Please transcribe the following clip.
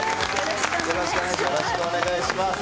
よろしくお願いします。